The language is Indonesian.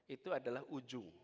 itu adalah ujung